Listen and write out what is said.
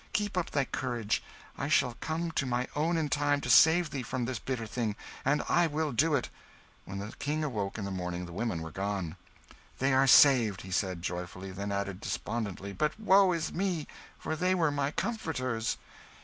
Keep up thy courage I shall come to my own in time to save thee from this bitter thing, and I will do it!" When the King awoke in the morning, the women were gone. "They are saved!" he said, joyfully; then added, despondently, "but woe is me! for they were my comforters."